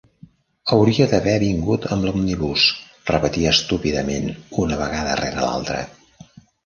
"Hauria d'haver vingut amb l'òmnibus", repetia estúpidament una vegada rere l'altra.